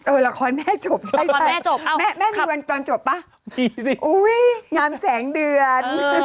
เออละครแม่จบใช่ใช่แม่มีวันตอนจบป่ะอุ้ยงามแสงเดือน